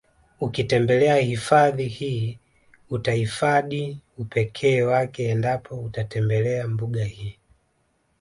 Ukitembelea hifadhi hii utaifadi upekee wake endapo utatembelea mbuga hii